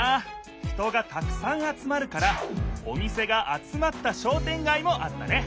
人がたくさん集まるからお店が集まった商店街もあったね。